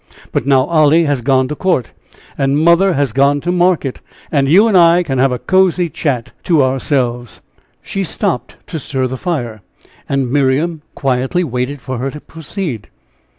But now Olly has gone to court, and mother has gone to market, and you and I can have a cozy chat to ourselves." She stopped to stir the fire, and Miriam quietly waited for her to proceed.